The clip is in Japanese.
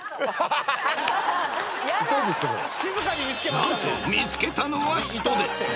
［何と見つけたのはヒトデ］